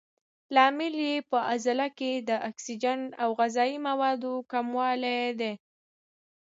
لامل یې په عضله کې د اکسیجن او غذایي موادو کموالی دی.